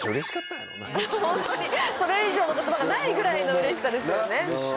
ホントにそれ以上の言葉がないぐらいのうれしさですよね。